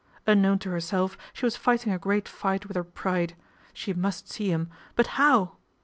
Unknown to herself, she was fighting a great fight with her pride. She must see him, but how